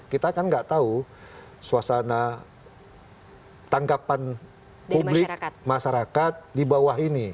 kita kan nggak tahu suasana tangkapan publik masyarakat di bawah ini